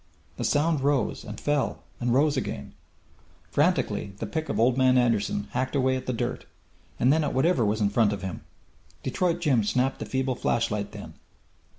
The sound rose, and fell, and rose again. Frantically the pick of Old Man Anderson hacked away at the dirt, and then at whatever was in front of him. Detroit Jim snapped the feeble flashlight then.